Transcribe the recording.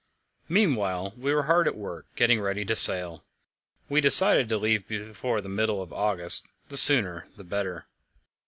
Meanwhile we were hard at work, getting ready to sail. We decided to leave before the middle of August the sooner the better.